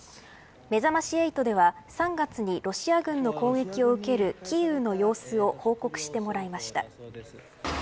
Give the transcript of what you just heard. めざまし８では３月にロシア軍の攻撃を受けるキーウの様子を報告してもらいました。